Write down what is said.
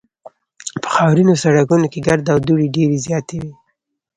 په خاورینو سړکونو کې ګرد او دوړې ډېرې زیاتې وې